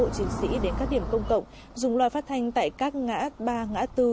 công an tỉnh sơn la đã cử cán bộ chiến sĩ đến các điểm công cộng dùng loài phát thanh tại các ngã ba ngã bốn